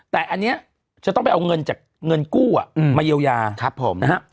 แต่อันนี้จะต้องไปเอาเงินจากเงินกู้มาเยียวยาผมนะฮะ